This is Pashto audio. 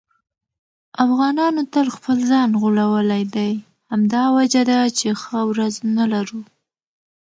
افغانانو تل خپل ځان غولولی دی. همدا وجه ده چې ښه ورځ نه لرو.